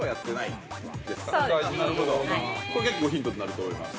◆これ結構ヒントになると思います。